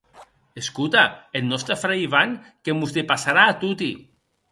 Escota, eth nòste frair Ivan que mos depassarà a toti.